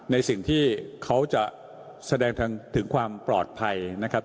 ในสิ่งที่เขาจะแสดงถึงความปลอดภัยนะครับ